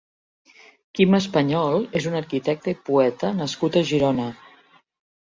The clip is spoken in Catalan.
Quim Español és un arquitecte i poeta nascut a Girona.